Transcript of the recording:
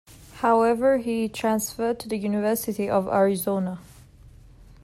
However, he transferred to the University of Arizona.